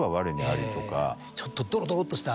ちょっとドロドロっとした。